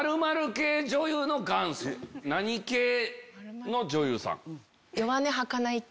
何系の女優さん？